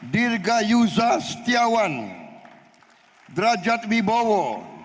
dirga yuzas setiawan grajat wibowo